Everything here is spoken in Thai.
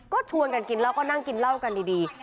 ก็ชวนกันกินแล้วก็นั่งกินเหล้ากันดี